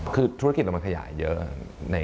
คือธุรกิจเรามันขยายเยอะ